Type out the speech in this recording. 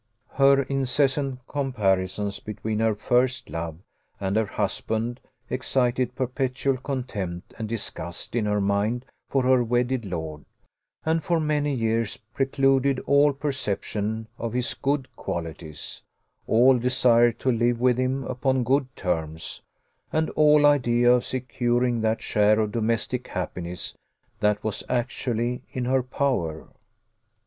Her incessant comparisons between her first love and her husband excited perpetual contempt and disgust in her mind for her wedded lord, and for many years precluded all perception of his good qualities, all desire to live with him upon good terms, and all idea of securing that share of domestic happiness that was actually in her power.